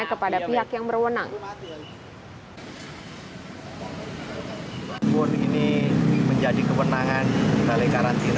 setelah adunan ini di delapan belas jam lagi